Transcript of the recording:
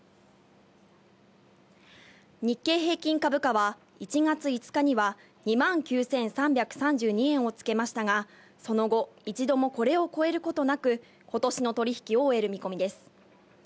日経平均株価は１月５日には２万９３３２円をつけましたが、その後、一度もこれを超えることなく今年の取引を終える見込みです。